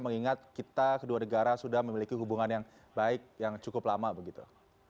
mengingat kita kedua negara sudah memiliki hubungan yang baik yang cukup lama begitu